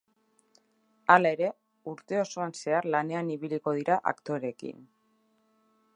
Hala ere, urte osoan zehar lanean ibiliko dira aktoreekin.